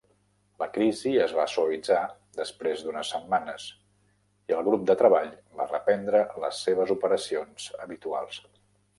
La crisi es va suavitzar després d'unes setmanes, i el grup de treball va reprendre les seves operacions habituals.